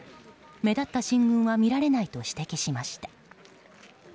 目立った進軍は見られないと指摘しました。